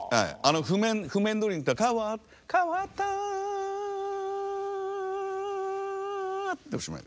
譜面どおりにいったら「変わった」でおしまい。